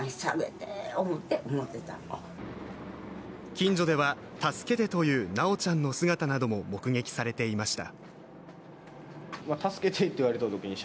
近所では「助けて」と言う修ちゃんの姿なども目撃されていました。